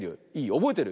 おぼえてる？